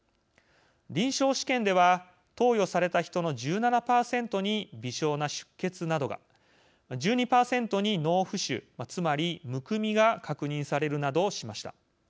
臨床試験では、投与された人の１７％に微小な出血などが１２％に脳浮腫、つまりむくみが確認されるなどしました。